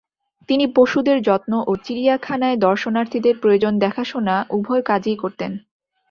তিনি পশুদের যত্ন ও চিড়িয়াখানায় দর্শনার্থীদের প্রয়োজন দেখাশোনা উভয় কাজই করতেন।